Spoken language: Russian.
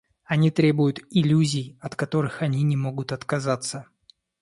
Они требуют иллюзий, от которых они не могут отказаться.